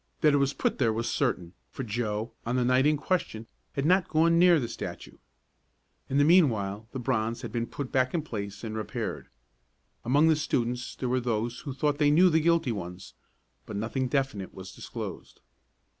That it was put there was certain, for Joe, on the night in question, had not gone near the statue. In the meanwhile the bronze had been put back in place and repaired. Among the students there were those who thought they knew the guilty ones, but nothing definite was disclosed.